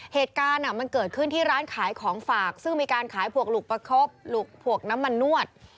เหตุการณ์มันเกิดขึ้นที่ร้านขายของฝากซึ่งมีการขายพวกหลุกประคบพวกน้ำมันนวด